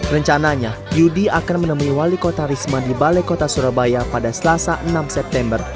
rencananya yudi akan menemui wali kota risma di balai kota surabaya pada selasa enam september